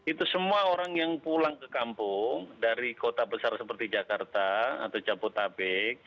itu semua orang yang pulang ke kampung dari kota besar seperti jakarta atau jabodetabek